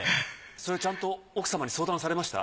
それちゃんと奥様に相談されました？